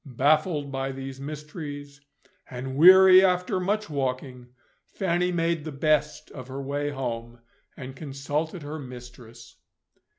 Baffled by these mysteries, and weary after much walking, Fanny made the best of her way home, and consulted her mistress.